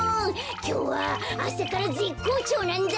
きょうはあさからぜっこうちょうなんだ。